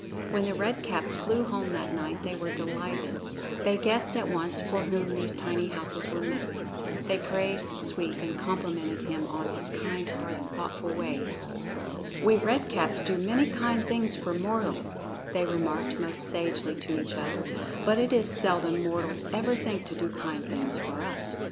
When the Red Caps flew home that night, they were delighted; they guessed at once for whom these tiny houses were meant. They praised Sweep and complimented him on his kind heart and his thoughtful ways. "We Red Caps do many kind things for mortals," they remarked most sagely to each other, "but it is seldom mortals ever think to do kind things for us.